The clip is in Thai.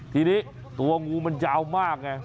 ทีนี้ตัวงูมันยาวมากไง